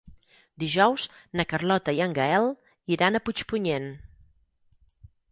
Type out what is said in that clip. Dijous na Carlota i en Gaël iran a Puigpunyent.